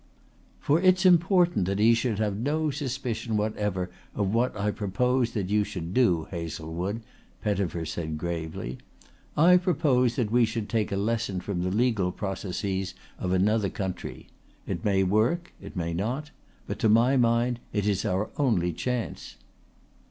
"For it's important he should have no suspicion whatever of what I propose that you should do, Hazlewood," Pettifer said gravely. "I propose that we should take a lesson from the legal processes of another country. It may work, it may not, but to my mind it is our only chance."